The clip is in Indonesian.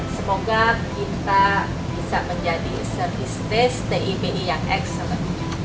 semoga kita bisa menjadi service desk tipi yang excellent